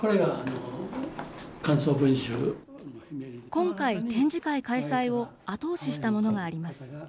今回、展示会開催を後押ししたものがあります。